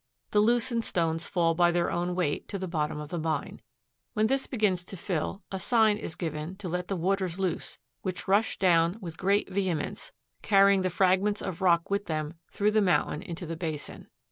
The loosened stones fall by their own weight to the bottom of the mine. When this begins to fill, a sign is given to let the waters loose, which rush down with great vehemence, carrying the fragments of rock with them through the mountain into the basin.